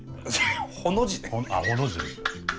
ほの字ね！